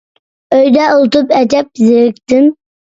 ئۆيدە ئولتۇرۇپ ئەجەب زېرىكتىم.